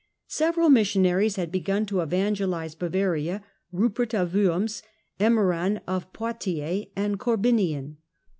Several missionaries had begun to evangelise Bavaria — Rupert of Worms, Emmeran of Poictiers and Corbinian.